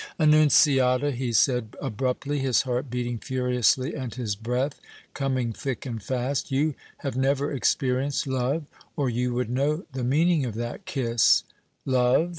"Annunziata," he said, abruptly, his heart beating furiously and his breath coming thick and fast, "you have never experienced love, or you would know the meaning of that kiss!" "Love?"